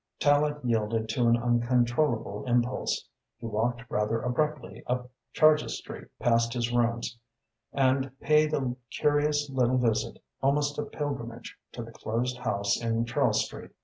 Tallente yielded to an uncontrollable impulse. He walked rather abruptly up Clarges Street, past his rooms, and paid a curious little visit, almost a pilgrimage, to the closed house in Charles Street.